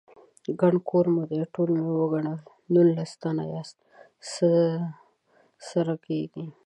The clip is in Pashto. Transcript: _ګڼ کور مو دی، ټول مې وګڼل، نولس تنه ياست، څه سره کېږئ؟